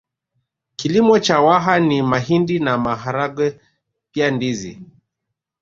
Kilimo cha Waha ni mahindi na maharage pia ndizi